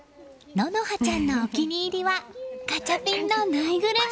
希乃羽ちゃんのお気に入りはガチャピンのぬいぐるみ。